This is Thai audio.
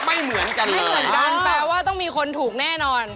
ไม่เหมือนกันแปลว่าต้องมีคนถูกแน่นอน